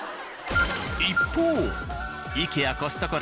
一方「ＩＫＥＡ」「コストコ」